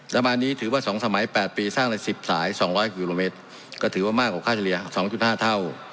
ระบานนี้ถือว่าสองสมัยแปดปีสร้างในสิบสายสองร้อยกิโลเมตรก็ถือว่ามากกว่าค่าเศรียร์สองจุดห้าเท่า